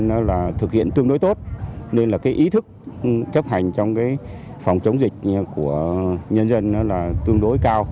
người dân thực hiện tương đối tốt nên là ý thức chấp hành trong phòng chống dịch của nhân dân tương đối cao